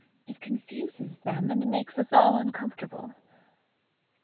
It confuses them, and makes us all uncomfortable."